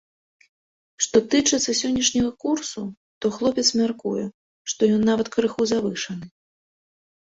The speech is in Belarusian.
Што тычыцца сённяшняга курсу, то хлопец мяркуе, што ён нават крыху завышаны.